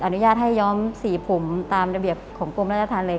อนุญาตให้ย้อมสีผมตามระเบียบของกรมราชธรรมเลย